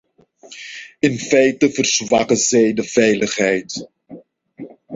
In feite verzwakken zij de veiligheid.